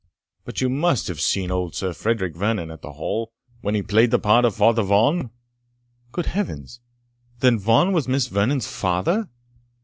But you must have seen old Sir Frederick Vernon at the Hall, when he played the part of Father Vaughan?" "Good Heavens! then Vaughan was Miss Vernon's father?"